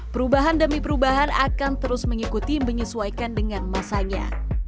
perubahan demi perubahan akan terus mengikuti menyesuaikan dengan masanya